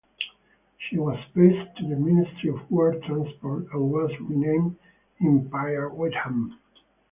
She was passed to the Ministry of War Transport and was renamed "Empire Witham".